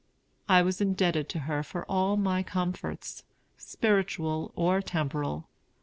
I was indebted to her for all my comforts, spiritual or temporal.